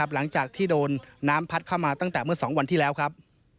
หลังจากที่โดนน้ำพัดเข้ามาตั้งแต่เมื่อ๒วันที่แล้วครับ